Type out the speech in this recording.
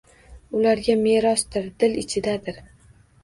Ularga merosdir – dil ichidadir.